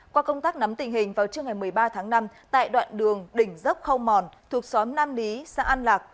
qua công tác nắm tình hình vào trưa ngày một mươi ba tháng năm tại đoạn đường đỉnh dốc khâu mòn thuộc xóm nam lý xã an lạc